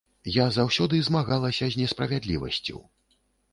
Я заўсёды змагалася з несправядлівасцю.